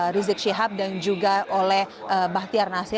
rizik syihab dan juga oleh bahtiar nasir